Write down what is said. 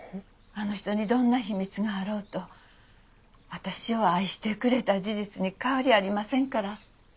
あの人にどんな秘密があろうと私を愛してくれた事実に変わりありませんから。